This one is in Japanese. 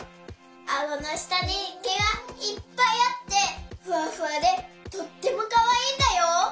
あごのしたにけがいっぱいあってふわふわでとってもかわいいんだよ。